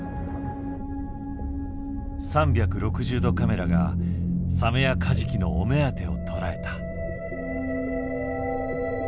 ３６０度カメラがサメやカジキのお目当てを捉えた。